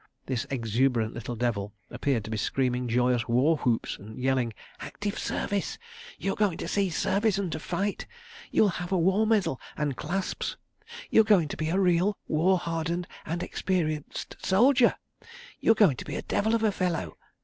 This exuberant little devil appeared to be screaming joyous war whoops and yelling: "Active Service! ... You are going to see service and to fight! ... You will have a war medal and clasps! ... You are going to be a real war hardened and experienced soldier! ... You are going to be a devil of a fellow!